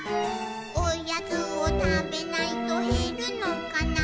「おやつをたべないとへるのかな」